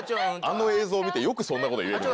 あの映像を見てよくそんなこと言えるな。